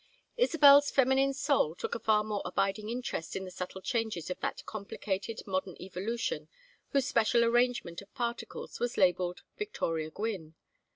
Isabel's feminine soul took a far more abiding interest in the subtle changes of that complicated modern evolution whose special arrangement of particles was labelled Victoria Gwynne.